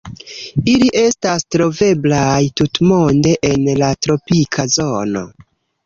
Ili estas troveblaj tutmonde en la tropika zono.